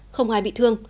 không ai bị thương